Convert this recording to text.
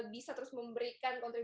bisa terus memberikan kembali ke dunia